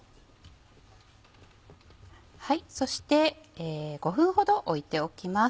そして５分ほどおいておきます。